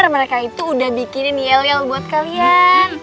mereka itu udah bikinin yel yel buat kalian